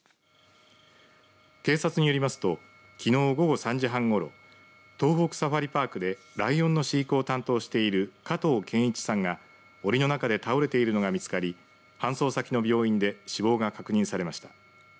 警察によりますときのう午後３時半ごろ東北サファリパークでライオンの飼育を担当している加藤健一さんがおりの中で倒れているのが見つかり搬送先の病院で死亡が確認されました。